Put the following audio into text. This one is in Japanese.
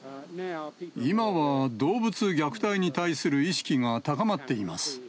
今は動物虐待に対する意識が高まっています。